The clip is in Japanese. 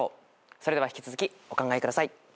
それでは引き続きお考えください。